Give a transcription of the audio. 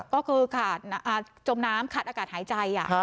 ก็คือขาดจมน้ำขาดอากาศหายใจ